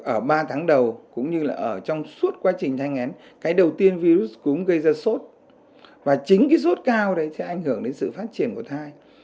ở ba tháng đầu cũng như là ở trong suốt quá trình thai ngén cái đầu tiên virus cúm gây ra sốt và chính cái sốt cao đấy sẽ ảnh hưởng đến sự phát triển của thai